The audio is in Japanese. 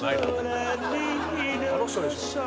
あの人でしょ。